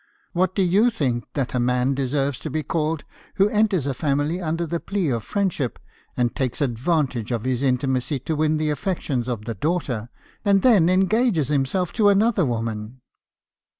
What do you think that man deserves to be called who enters a family under the plea of friendship , and takes advantage of his intimacy to win the affections of the daughter, and then engages himself to another woman?'